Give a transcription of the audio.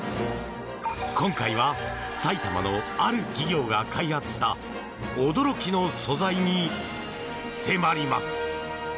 今回は、埼玉のある企業が開発した驚きの素材に迫ります。